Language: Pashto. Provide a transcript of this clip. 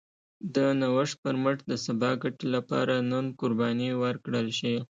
د نوښت پر مټ د سبا ګټې لپاره نن قرباني ورکړل شي.